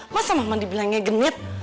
masa mama dibilangnya genit